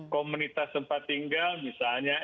komunitas tempat tinggal misalnya